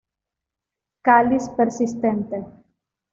Cáliz persistente.